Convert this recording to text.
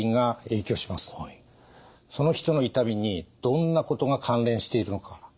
その人の痛みにどんなことが関連しているのか。